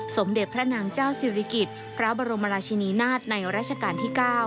สมเด็จพระนางเจ้าศิริกิจพระบรมราชินีนาฏในราชการที่๙